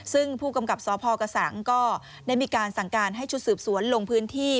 ซึ่งผู้กำกับสพกระสังก็ได้มีการสั่งการให้ชุดสืบสวนลงพื้นที่